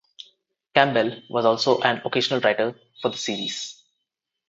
Campbell was also an occasional writer for the series.